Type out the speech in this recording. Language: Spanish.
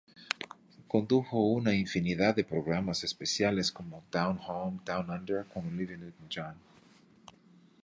Condujo una infinidad de programas especiales como "Down Home, Down Under" con Olivia Newton-John.